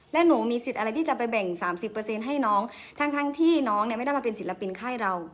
และหนูมีสิทธิ์อะไรที่จะไปแบ่ง๓๐ให้น้องทั้งที่น้องเนี่ยไม่ได้มาเป็นศิลปินค่ายเรา